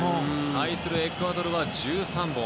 対するエクアドルは１３本。